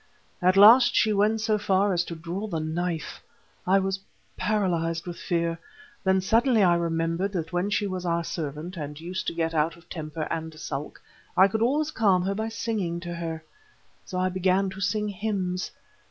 At last she went so far as to draw the knife. I was paralyzed with fear, then suddenly I remembered that when she was our servant, and used to get out of temper and sulk, I could always calm her by singing to her. So I began to sing hymns.